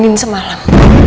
mbak andin semalam